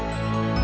sampai jumpa lagi